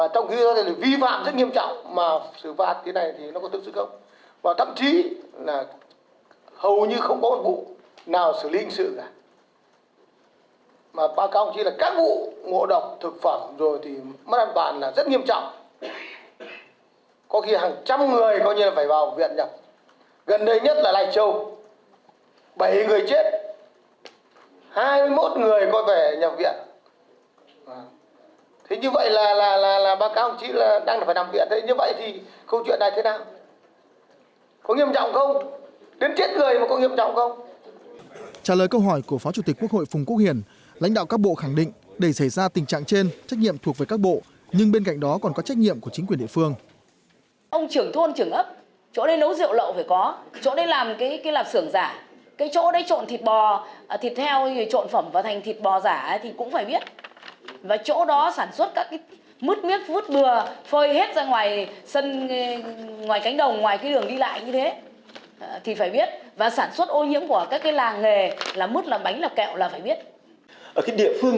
trả lời câu hỏi của phó chủ tịch quốc hội phùng quốc hiển lãnh đạo các bộ khẳng định để xảy ra tình trạng trên trách nhiệm thuộc về các bộ nhưng bên cạnh đó còn có trách nhiệm của chính quyền địa phương